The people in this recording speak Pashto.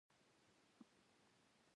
فکري تنوع اصلاً همدې زغم ته وایي.